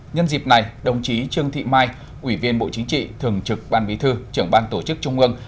nhân dịp này đồng chí trương thị mai ủy viên bộ chính trị thường trực ban bí thư trưởng ban tổ chức trung ương